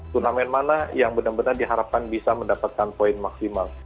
turnamen mana yang benar benar diharapkan bisa mendapatkan poin maksimal